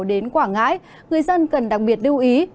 đến quảng ngãi người dân cần đặc biệt lưu ý